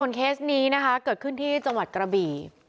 เคสนี้นะคะเกิดขึ้นที่จังหวัดกระบี่